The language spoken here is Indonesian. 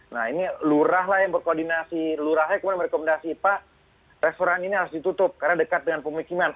nah ini lurah lah yang berkoordinasi lurahnya kemudian merekomendasi pak restoran ini harus ditutup karena dekat dengan pemukiman